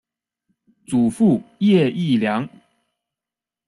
祖父叶益良。